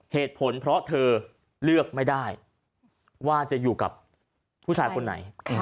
เหตุผลเพราะเธอเลือกไม่ได้ว่าจะอยู่กับผู้ชายคนไหน